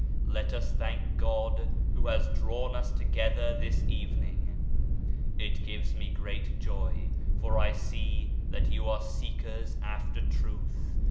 Let us thank God who has drawn us together this evening. It gives me great joy, for I see that you are seekers after Truth.